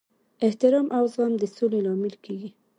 احترام او زغم د سولې لامل کیږي.